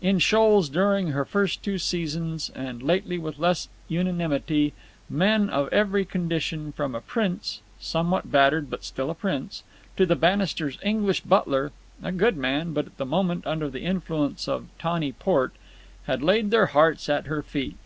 In shoals during her first two seasons, and lately with less unanimity, men of every condition, from a prince—somewhat battered, but still a prince—to the Bannisters' English butler—a good man, but at the moment under the influence of tawny port, had laid their hearts at her feet.